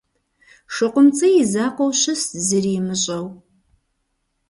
ШыкъумцӀий и закъуэу щыст зыри имыщӏэу.